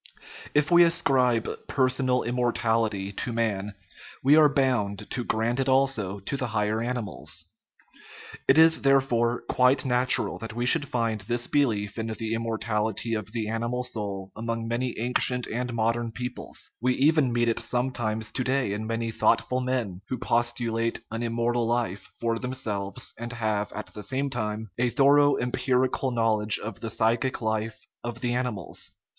If we ascribe " personal immortality " to man, we are bound to grant it also to the higher animals. It is, therefore, quite natural that we should find this belief in the immortality of the animal soul among 201 THE RIDDLE OF THE UNIVERSE many ancient and modern peoples ; we even meet it sometimes to day in many thoughtful men who pos tulate an " immortal life " for themselves, and have, at the same time, a thorough empirical knowledge of the psychic life of the animals.